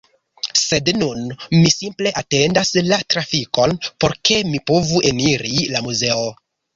Sed nun mi simple atendas la trafikon por ke mi povu eniri la muzeo